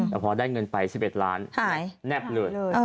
แต่พอได้เงินไป๑๑ล้านแนบเลย